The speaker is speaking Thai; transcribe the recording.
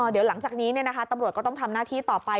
เดี๋ยวหลังจากนี้ตำรวจก็ต้องทำหน้าที่ต่อไป